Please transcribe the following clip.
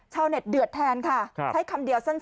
ชาวเน็ตเดือดแทนค่ะใช้คำเดียวสั้น